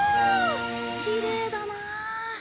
きれいだなあ！